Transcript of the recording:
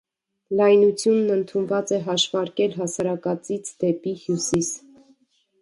Լայնությունն ընդունված է հաշվարկել հասարակածից դեպի հյուսիս։